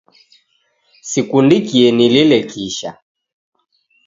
Sikundikie nilile kisha.